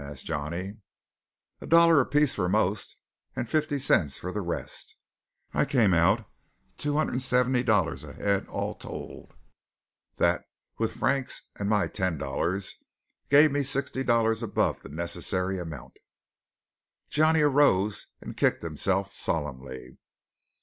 asked Johnny. "A dollar apiece for most, and fifty cents for the rest. I came out two hundred and seventy dollars ahead all told. That, with Frank's and my ten dollars, gave me sixty dollars above the necessary amount." Johnny arose and kicked himself solemnly.